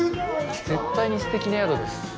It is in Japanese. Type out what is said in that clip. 絶対に、すてきな宿です。